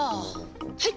はい！